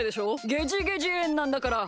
ゲジゲジえんなんだから。